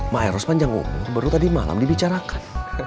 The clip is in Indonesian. maheros panjang umur baru tadi malam dibicarakan